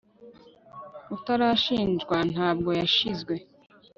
utarashinjwa ntabwo yashizwe